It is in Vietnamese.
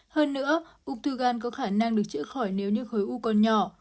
hơn nữa ung thư gan có khả năng được chữa khỏi nếu như khối u còn nhỏ